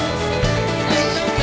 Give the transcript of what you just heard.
大丈夫や。